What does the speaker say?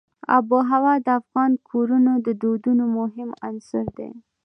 آب وهوا د افغان کورنیو د دودونو مهم عنصر دی.